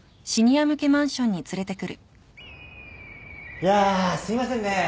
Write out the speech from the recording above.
いやすいませんねぇ。